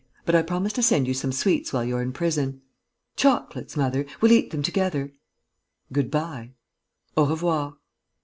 But I promise to send you some sweets while you're in prison." "Chocolates, mother! We'll eat them together!" "Good bye." "_Au revoir.